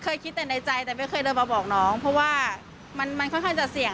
คิดแต่ในใจแต่ไม่เคยเดินมาบอกน้องเพราะว่ามันค่อนข้างจะเสี่ยง